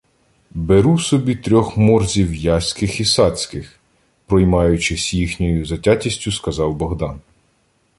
— Беру собі трьох морзів яських і сацьких! — проймаючись їхньою затятістю, сказав Богдан.